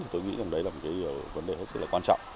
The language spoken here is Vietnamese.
tôi nghĩ đây là một vấn đề rất quan trọng